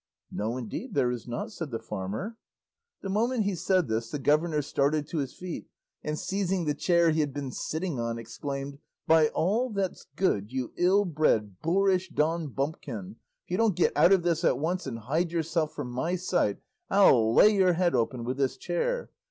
"No, indeed there is not," said the farmer. The moment he said this the governor started to his feet, and seizing the chair he had been sitting on exclaimed, "By all that's good, you ill bred, boorish Don Bumpkin, if you don't get out of this at once and hide yourself from my sight, I'll lay your head open with this chair.